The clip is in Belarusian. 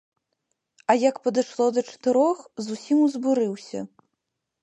А як падышло да чатырох, зусім узбурыўся.